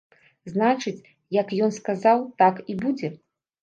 Значыць, як ён сказаў, так і будзе?